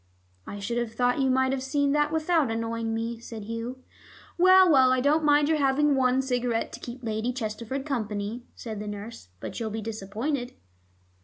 "I should have thought you might have seen that without annoying me," said Hugh. "Well, well, I don't mind your having one cigarette to keep Lady Chesterford company," said the nurse. "But you'll be disappointed."